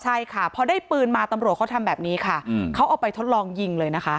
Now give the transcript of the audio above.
ใช่ค่ะพอได้ปืนมาตำรวจเขาทำแบบนี้ค่ะเขาเอาไปทดลองยิงเลยนะคะ